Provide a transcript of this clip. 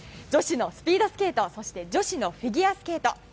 女子のスピードスケートそして女子のフィギュアスケート。